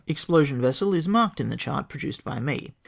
419 explosiou vessel, is marked in the chart produced by me.